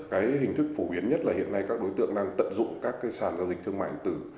cái hình thức phổ biến nhất là hiện nay các đối tượng đang tận dụng các cái sản giao dịch thương mại điện tử